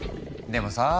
でもさあ